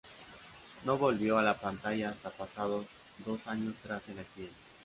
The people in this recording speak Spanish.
No volvió a la pantalla hasta pasados dos años tras el accidente.